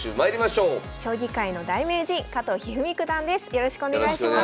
将棋界の大名人加藤一二三九段です。